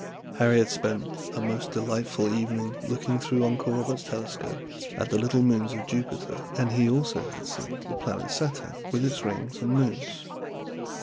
Harry had spent a most delightful evening looking through Uncle Robert's telescope at the little moons of Jupiter, and he also had seen the planet Saturn, with its rings and moons.